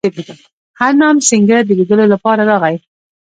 هرنام سینګه د لیدلو لپاره راغی.